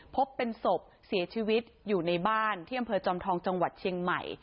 พบเป็นศพเสียชีวิตอยู่ในบ้านที่อำเภอจอมทองจังหวัดเชียงใหม่